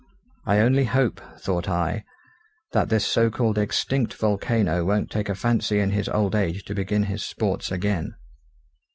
I only hope, thought I, that this so called extinct volcano won't take a fancy in his old age to begin his sports again!